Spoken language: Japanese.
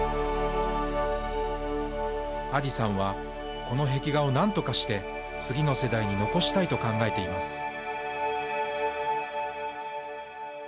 アディさんは、この壁画をなんとかして次の世代に残したいと考えています。